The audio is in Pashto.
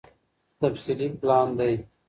تفصيلي پلان دی